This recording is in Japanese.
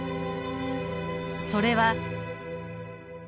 それは。